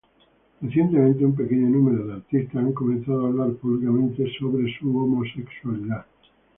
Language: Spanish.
Recientemente, un pequeño número de artistas han comenzado a hablar públicamente de su homosexualidad.